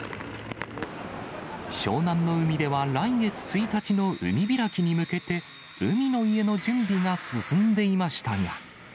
湘南の海では来月１日の海開きに向けて、海の家の準備が進んでいましたが。